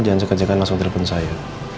jangan sekejap langsung telepon saya